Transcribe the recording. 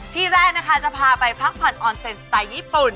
ที่แรกนะคะจะพาไปพักผ่อนออนเซ็นสไตล์ญี่ปุ่น